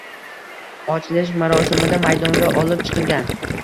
Ochilish marosimida maydonga olib chiqilgan.